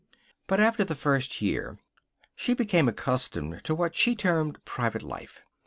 But after the first year she became accustomed to what she termed private life.